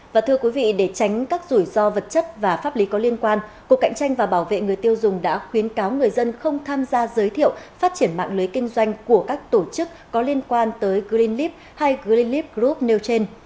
và thưa quý vị để tránh các rủi ro vật chất và pháp lý có liên quan cục cạnh tranh và bảo vệ người tiêu dùng đã khuyến cáo người dân không tham gia giới thiệu phát triển mạng lưới kinh doanh của các tổ chức có liên quan tới greenlip hay grelip group nêu trên